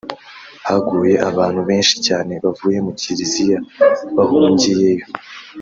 haguye abantu benshi cyane bavuye mu Kiliziya bahungiye yo